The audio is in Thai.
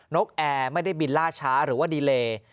กแอร์ไม่ได้บินล่าช้าหรือว่าดีเล